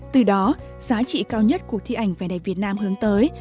từ đó giá trị cao nhất của thi ảnh về đại việt nam hướng tới